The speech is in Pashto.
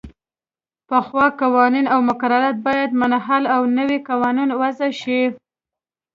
پخوا قوانین او مقررات باید منحل او نوي قوانین وضعه شي.